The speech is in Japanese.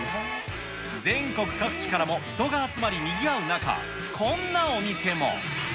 全国各地からも人が集まり、にぎわう中、こんなお店も。